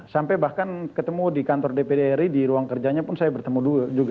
sampai bahkan ketemu di kantor dpd ri di ruang kerjanya pun saya bertemu juga